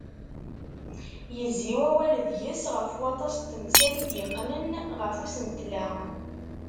Yezzi wawal deg-s ɣef waṭas n temsal i d-yeqqnen ɣef usentel-a.